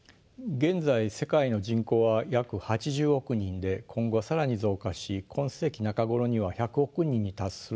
現在世界の人口は約８０億人で今後更に増加し今世紀中頃には１００億人に達すると予測されています。